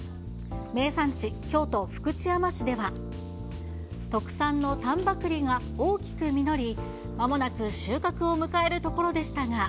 名産地、京都・福知山市では、特産の丹波くりが大きく実り、まもなく収穫を迎えるところでし